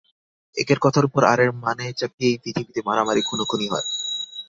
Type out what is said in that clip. একের কথার উপর আরের মানে চাপিয়েই পৃথিবীতে মারামারি খুনোখুনি হয়।